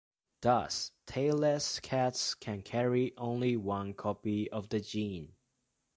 Thus, tailless cats can carry only one copy of the gene.